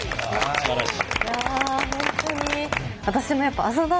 すばらしい。